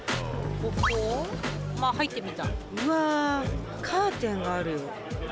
うわカーテンがある。